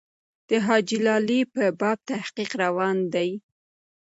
د حاجي لالي په باب تحقیق روان دی.